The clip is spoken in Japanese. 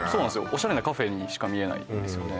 オシャレなカフェにしか見えないんですよね